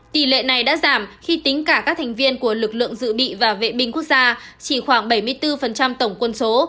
tỷ lệ này đã giảm khi tính cả các thành viên của lực lượng dự bị và vệ binh quốc gia chỉ khoảng bảy mươi bốn tổng quân số